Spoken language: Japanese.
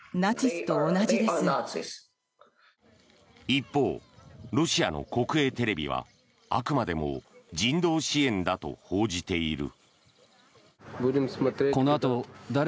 一方、ロシアの国営テレビはあくまでも人道支援だと報じている。